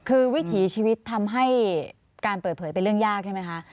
คือวิถีชีวิตทำให้การเปิดเผยเป็นเรื่องยากใช่ไหมคะ